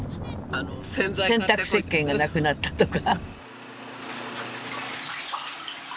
洗濯せっけんがなくなったとか。